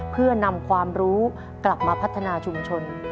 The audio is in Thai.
เพื่อนำความรู้กลับมาพัฒนาชุมชน